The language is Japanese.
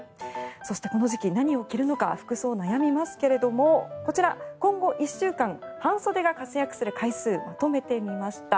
そして、この時期何を着るのか服装、悩みますけどもこちら、今後１週間半袖が活躍する回数をまとめてみました。